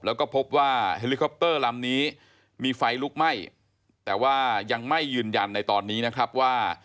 แล้วก็พบว่าเฮลิคอปเตอร์ลำนี้มีไฟลุกไหม้แต่ว่ายังไม่ยืนยันในตอนนี้นะครับว่า